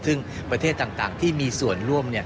ซึ่งประเทศต่างที่มีส่วนร่วม